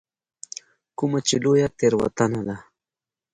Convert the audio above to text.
کومه چې لویه تېروتنه ده.